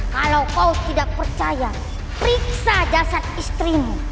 kalau kau tidak percaya periksa jasad istrimu